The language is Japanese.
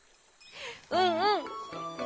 うんうん。